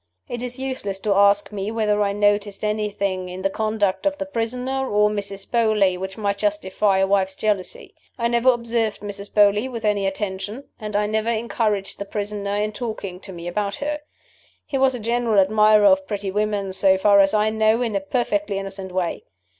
"It is useless to ask me whether I noticed anything in the conduct of the prisoner and Mrs. Beauly which might justify a wife's jealousy. I never observed Mrs. Beauly with any attention, and I never encouraged the prisoner in talking to me about her. He was a general admirer of pretty women so far as I know, in a perfectly innocent way.